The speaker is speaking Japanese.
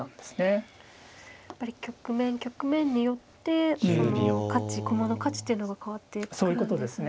やっぱり局面局面によってその価値駒の価値というのが変わってくるんですね。